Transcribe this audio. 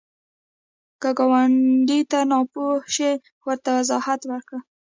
که ګاونډي ته ناپوهه شي، ورته وضاحت ورکړه